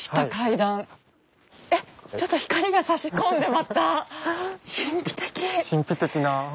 ちょっと光がさし込んでまた神秘的。